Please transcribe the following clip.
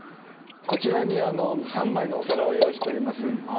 こちらに３枚のお皿を用意しております。